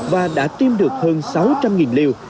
và đã tiêm được hơn sáu trăm linh liều